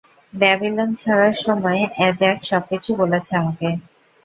Babylon ছাড়ার সময় অ্যাজাক সবকিছু বলেছে আমাকে।